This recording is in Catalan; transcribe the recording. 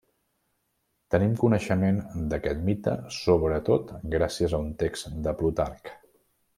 Tenim coneixement d'aquest mite sobretot gràcies a un text de Plutarc.